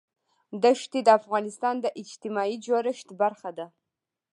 دښتې د افغانستان د اجتماعي جوړښت برخه ده.